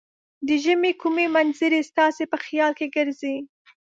د ژمې کومې منظرې ستاسې په خیال کې ګرځي؟